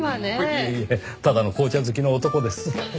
いいえただの紅茶好きの男です。